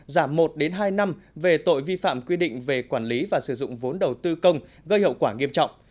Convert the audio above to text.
giảm một hai năm về tội vi phạm quy định về quản lý và sử dụng vốn đầu tư công gây hậu quả nghiêm trọng